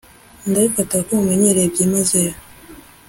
Ndabifata ko mumenyereye byimazeyo